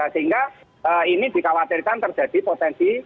sehingga ini dikhawatirkan terjadi potensi